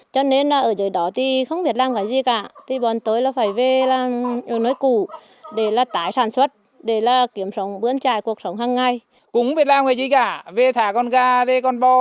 thế đến khi mà họ lấy đi mình trả thôi